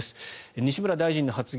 西村大臣の発言